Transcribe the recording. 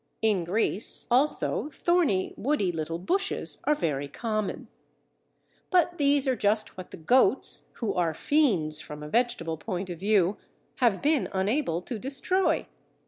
In Greece, also, thorny, woody little bushes are very common. But these are just what the goats, who are fiends from a vegetable point of view, have been unable to destroy.